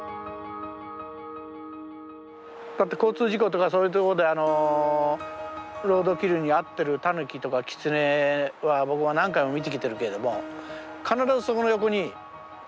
だって交通事故とかそういうとこでロードキルに遭ってるタヌキとかキツネは僕は何回も見てきてるけれども必ずそこの横に連れ合いが来てるんですよ。